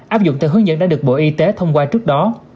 áp dụng theo hướng dẫn đã được bộ y tế thông qua trước đó